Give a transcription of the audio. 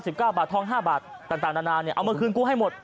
๒๑๙๙๙บาททอง๕บาทต่างนานเอามาคืนกูให้หมด